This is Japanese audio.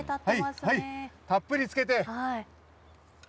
たっぷりつけて。